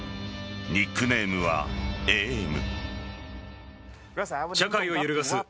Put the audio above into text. ニックネームはエーム。